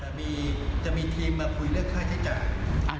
จะมีทีมมาคุยเรื่องค่าใช้จ่าย